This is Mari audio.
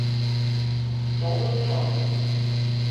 Толыт мо?